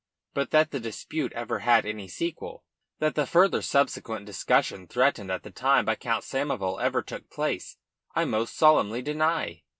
But that the dispute ever had any sequel, that the further subsequent discussion threatened at the time by Count Samoval ever took place, I most solemnly deny.